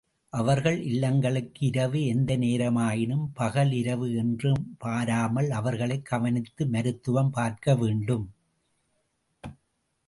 அவர்கள் இல்லங்களுக்கு இரவு எந்த நேரமாயினும் பகல் இரவு என்று பாராமல், அவர்களைக் கவனித்து மருத்துவம் பார்க்க வேண்டும்.